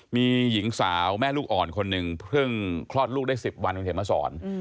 มีหญิงสาวแม่ลูกอ่อนคนหนึ่งเพิ่งคลอดลูกได้๑๐วันคุณเขียนมาสอน